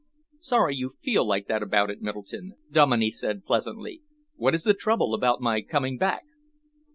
"Sorry you feel like that about it, Middleton," Dominey said pleasantly. "What is the trouble about my coming back?"